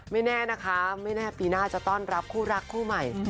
ไม่แน่นะคะไม่แน่ปีหน้าจะต้อนรับคู่รักคู่ใหม่